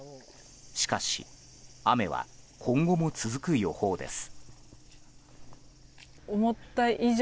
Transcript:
しかし、雨は今後も続く予報です。